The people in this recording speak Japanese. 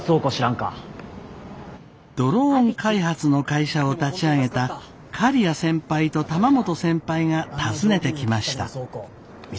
ドローン開発の会社を立ち上げた刈谷先輩と玉本先輩が訪ねてきました。